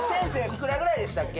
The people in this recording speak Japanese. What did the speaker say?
いくらぐらいでしたっけ